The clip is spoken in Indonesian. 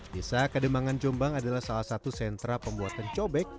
desa kademangan jombang adalah salah satu sentra pembuatan cobek